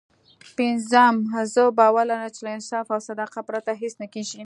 پينځم زه باور لرم چې له انصاف او صداقت پرته هېڅ نه کېږي.